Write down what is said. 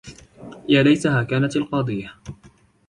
يَا لَيْتَهَا كَانَتِ الْقَاضِيَةَ